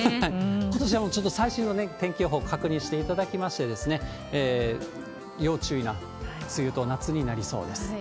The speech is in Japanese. ことしはもう最新の天気予報確認していただきまして、要注意な梅雨と夏になりそうです。